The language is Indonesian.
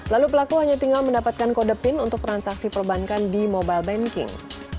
lalu pelaku hanya tinggal mendapatkan kode pin untuk transaksi perbankan di mobile banking